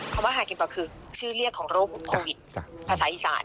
คำว่าหากินต่อคือชื่อเรียกของโรคโควิดภาษาอีสาน